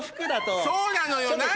そうなのよ何？